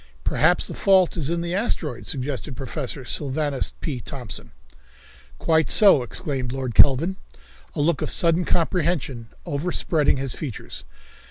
"Perhaps the fault is in the asteroid," suggested Professor Sylvanus P. Thompson. "Quite so," exclaimed Lord Kelvin, a look of sudden comprehension overspreading his features.